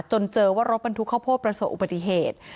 จนเจอว่ารถบรรทุกข้าวโพดประสบอุบัติเหตุ